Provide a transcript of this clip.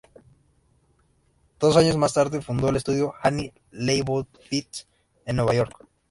Dos años más tarde fundó el Estudio Annie Leibovitz en Nueva York.